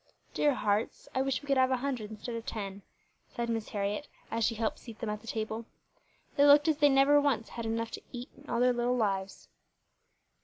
"Dear hearts, I wish we could have a hundred instead of ten," sighed Miss Harriet, as she helped seat them at the table. "They look as though they never once had enough to eat in all their little lives."